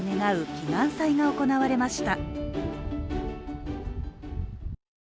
祈願祭が行われました。